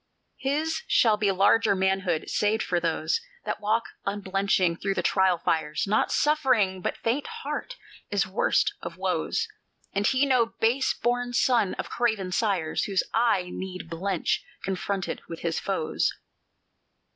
"His shall be larger manhood, saved for those That walk unblenching through the trial fires; Not suffering, but faint heart, is worst of woes, And he no base born son of craven sires, Whose eye need blench confronted with his foes.